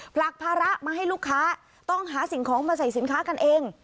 ผลักภาระมาให้ลูกค้าต้องหาสิ่งของมาใส่สินค้ากันเอง